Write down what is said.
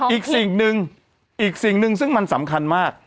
อีกสิ่งหนึ่งอีกสิ่งหนึ่งซึ่งมันสำคัญมาก